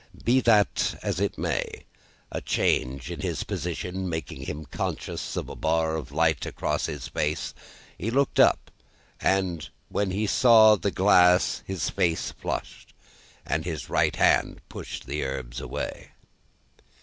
Be that as it may, a change in his position making him conscious of a bar of light across his face, he looked up; and when he saw the glass his face flushed, and his right hand pushed the herbs away.